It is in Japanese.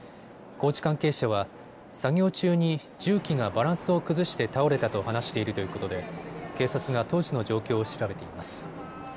工事関係者は、作業中に重機がバランスを崩して倒れたと話しているということで警察が当時の状況を調べています。